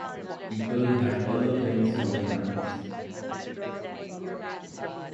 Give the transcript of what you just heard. People had other things on their minds.